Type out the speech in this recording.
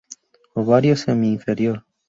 Ovario semi -inferior.